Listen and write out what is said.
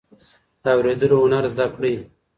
د اورېدلو هنر زده کړئ.